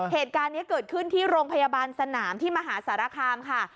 เหตุการณ์นี้เกิดขึ้นที่โรงพยาบาลสนามที่มหาสารคามค่ะ